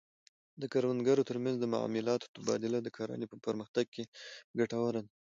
د کروندګرو ترمنځ د معلوماتو تبادله د کرنې په پرمختګ کې ګټوره ده.